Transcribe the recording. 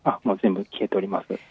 全部、消えております。